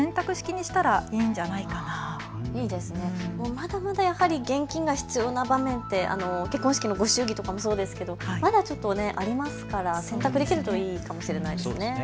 まだまだやはり現金が必要な場面って結婚式のご祝儀とかもそうですけどまだちょっとありますから選択できるといいかもしれないですね。